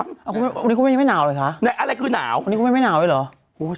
วันนี้คุณแม่ยังไม่หนาวเลยคะอะไรคือหนาววันนี้คุณแม่ไม่หนาวเลยเหรอ